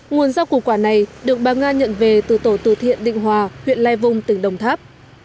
nguồn rau củ quả này được bà nga nhận về từ tổ tử thiện định hòa huyện lai vung tỉnh đồng tháp